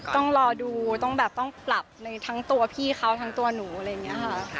ต้องรอดูต้องแบบต้องปรับในทั้งตัวพี่เขาทั้งตัวหนูอะไรอย่างนี้ค่ะ